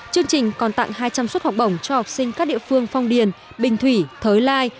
chương trình còn tặng hai trăm linh suất học bổng cho học sinh các địa phương phong điền bình thủy thới lai